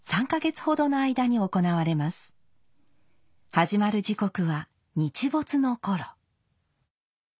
始まる時刻は日没の頃。